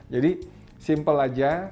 jadi simpel aja